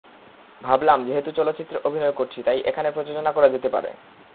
ভাবলাম, যেহেতু চলচ্চিত্রে অভিনয় করছি, তাই এখানে প্রযোজনা করা যেতে পারে।